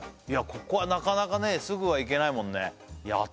ここはなかなかすぐは行けないもんね